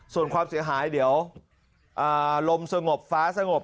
ส่วนความเสียหายเดี๋ยวลมสงบฟ้าสงบ